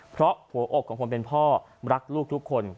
เพราะหัวอกของคนเป็นพ่อรักลูกทุกคน